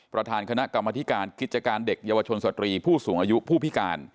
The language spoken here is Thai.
ประธานคณะกรรมธิการกิจการเด็กเยาวชนสตรีผู้สูงอายุผู้พิการ